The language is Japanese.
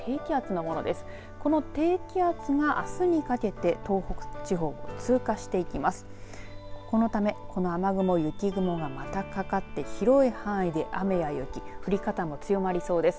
この低気圧があすにかけて東北地方を通過していきます。